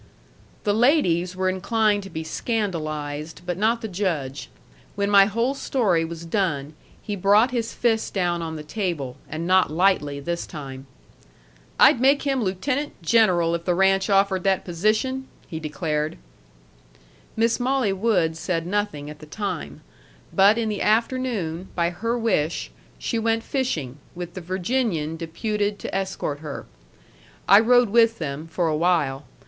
The ladies were inclined to be scandalized, but not the Judge. When my whole story was done, he brought his fist down on the table, and not lightly this time. "I'd make him lieutenant general if the ranch offered that position!" he declared. Miss Molly Wood said nothing at the time. But in the afternoon, by her wish, she went fishing, with the Virginian deputed to escort her. I rode with them, for a while.